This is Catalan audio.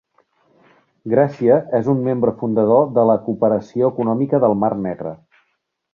Grècia és un membre fundador de la Cooperació Econòmica del Mar Negre.